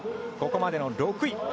ここまでの６位。